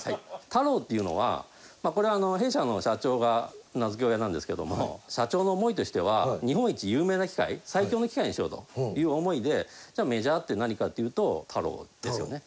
「太郎」っていうのはこれは弊社の社長が名付け親なんですけども社長の思いとしては日本一有名な機械最強の機械にしようという思いでじゃあメジャーって何かっていうと「太郎」ですよね。